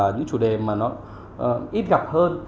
những chủ đề mà nó ít gặp hơn